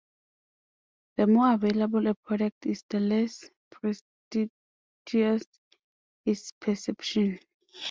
The more available a product is the less prestigious its perception.